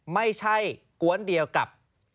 ไม่ใช่กวนเดียวกับ